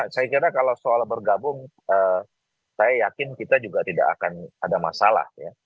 saya kira kalau soal bergabung saya yakin kita juga tidak akan ada masalah ya